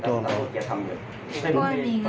มีเงินไมก็ใช้